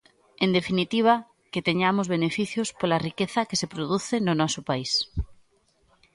En definitiva, que teñamos beneficios pola riqueza que se produce no noso país.